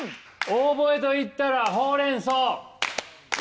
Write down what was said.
オーボエと言ったらほうれんそう。